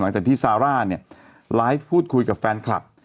หลังจากที่ซาร่าเนี่ยไลฟ์พูดคุยกับแฟนคลับ